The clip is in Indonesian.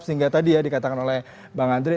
sehingga tadi ya dikatakan oleh bang andre